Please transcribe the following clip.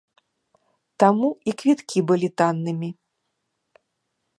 Таму і квіткі былі таннымі.